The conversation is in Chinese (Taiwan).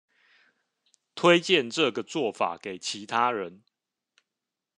推薦這個做法給其他人